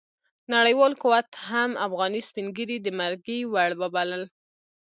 نړیوال قوت هم افغاني سپين ږيري د مرګي وړ وبلل.